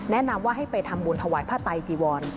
แนะนำว่าให้ไปทำบุญถวายผ้าไตจีวร